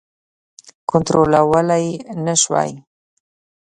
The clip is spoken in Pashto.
کنټرولولای نه سوای.